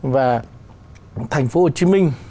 và thành phố hồ chí minh